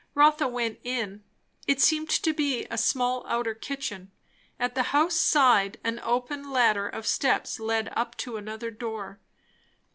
Rotha went in. It seemed to be a small outer kitchen. At the house side an open ladder of steps led up to another door.